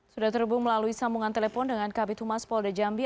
sudah terbun melalui sambungan telepon dengan kb tumas polda jambi